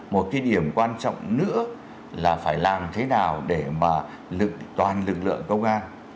một cái điểm quan trọng nữa là phải làm thế nào để mà toàn lực lượng công an